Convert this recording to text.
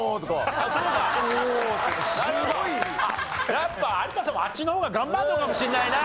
やっぱ有田さんもあっちの方が頑張るのかもしれないな。